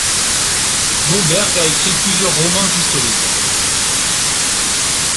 Moberg a écrit plusieurs romans historiques.